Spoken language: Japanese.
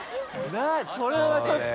それはちょっと！